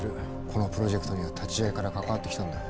このプロジェクトには立ち上げから関わってきたんだ。